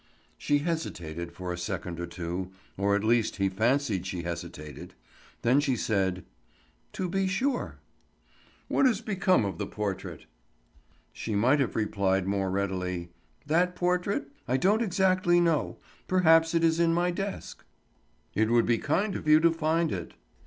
She hesitated for a second or two, or at least he fancied she hesitated; then she said: "To be sure." "What has become of the portrait?" She might have replied more readily: "That portrait—stay; I don't exactly know—perhaps it is in my desk." "It would be kind of you to find it."